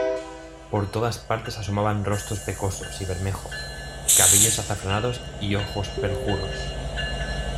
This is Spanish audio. por todas partes asomaban rostros pecosos y bermejos, cabellos azafranados y ojos perjuros.